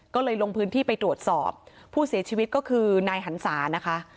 ก็เลยลงพื้นที่ไปตรวจสอบผู้เสียชีวิตก็คือนายหันศานะคะ